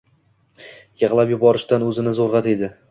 Yig‘lab yuborishdan o‘zini zo‘rg‘a tiydi